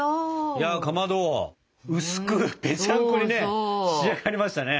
いやかまど薄くぺちゃんこにね仕上がりましたね。